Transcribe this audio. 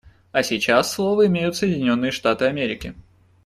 А сейчас слово имеют Соединенные Штаты Америки.